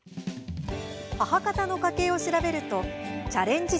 母方の家系を調べるとチャレンジ